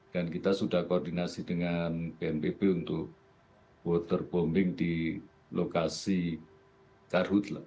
dan kita sudah koordinasi dengan bnpb untuk waterbombing di lokasi karhut